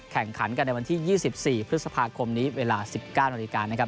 แข่งขันกันในวันที่ยี่สิบสี่พฤษภาคมนี้เวลาสิบเก้าหน้าวิการนะครับ